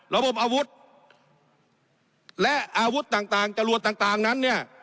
ระบบอาวุธและอาวุธต่างจรวดต่างนั้นเนี่ย